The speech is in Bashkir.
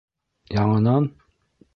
Яңынан?!